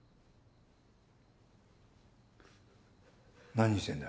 何してんだ？